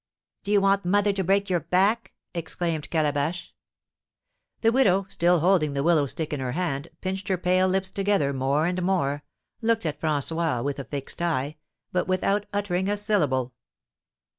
"Do you want mother to break your back?" exclaimed Calabash. The widow, still holding the willow stick in her hand, pinching her pale lips together more and more, looked at François with a fixed eye, but without uttering a syllable.